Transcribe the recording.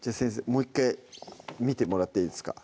もう１回見てもらっていいですか？